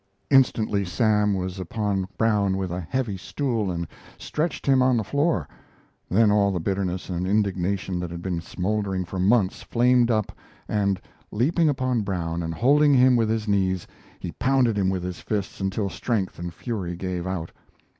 ] Instantly Sam was upon Brown, with a heavy stool, and stretched him on the floor. Then all the bitterness and indignation that had been smoldering for months flamed up, and, leaping upon Brown and holding him with his knees, he pounded him with his fists until strength and fury gave out.